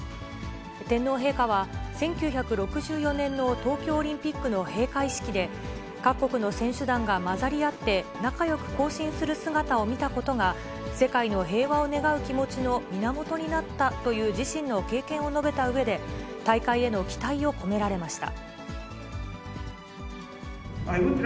天皇陛下は、１９６４年の東京オリンピックの閉会式で、各国の選手団が交ざり合って、仲よく行進する姿を見たことが、世界の平和を願う気持ちの源になったという自身の経験を述べたうえで、大会への期待を込められました。